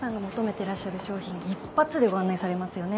てらっしゃる商品一発でご案内されますよね。